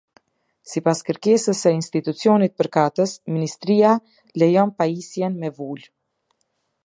Sipas kërkesës së institucionit përkatës, Ministria lejon pajisjen me vulë.